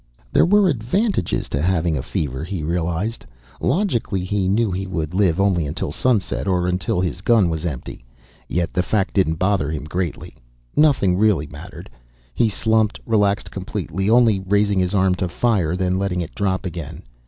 There were advantages to having a fever, he realized. Logically he knew he would live only to sunset, or until his gun was empty. Yet the fact didn't bother him greatly. Nothing really mattered. He slumped, relaxed completely, only raising his arm to fire, then letting it drop again.